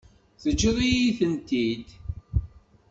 Teǧǧiḍ-iyi-ten-id?